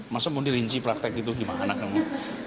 masuk pun dirinci praktek gitu gimana kamu